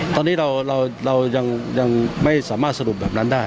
ตอนนี้เรายังไม่สามารถสรุปแบบนั้นได้